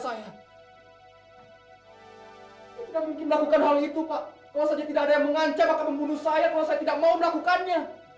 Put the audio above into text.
saya tidak mungkin melakukan hal itu pak kalau saja tidak ada yang mengancam akan membunuh saya kalau saya tidak mau melakukannya